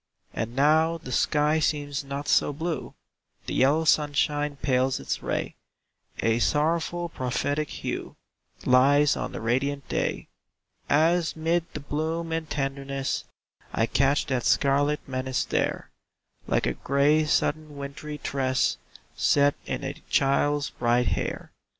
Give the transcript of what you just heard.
And now the sky seems not so blue, The yellow sunshine pales its ray, A sorrowful, prophetic hue Lies on the radiant day, As mid the bloom and tenderness I catch that scarlet menace there, Like a gray sudden wintry tress Set in a child's bright hair.